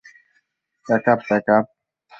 Pack up, - pack up?